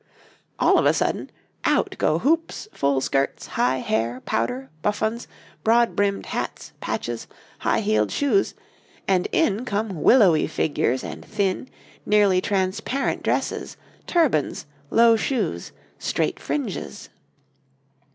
All of a sudden out go hoops, full skirts, high hair, powder, buffons, broad brimmed hats, patches, high heeled shoes, and in come willowy figures and thin, nearly transparent dresses, turbans, low shoes, straight fringes.